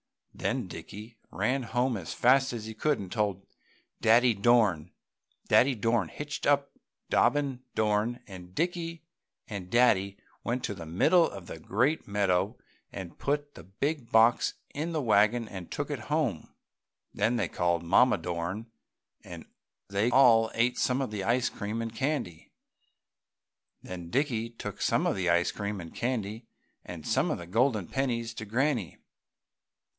Then Dickie ran home as fast as he could and told Daddy Dorn. Daddy Dorn hitched up Dobbin Dorn and Dickie and Daddy went to the middle of the great meadow and put the big box in the wagon and took it home. Then they called Mamma Dorn and they all ate some of the ice cream and candy. Then Dickie took some of the ice cream and candy and some of the golden pennies to Granny.